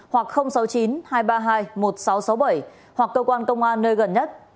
hoặc cơ quan công an nơi gần nhất